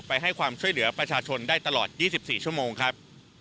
ให้ความช่วยเหลือประชาชนได้ตลอด๒๔ชั่วโมงครับ